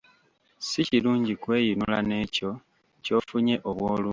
Si kirungi kweyinula n'ekyo ky'ofunye obw'olumu.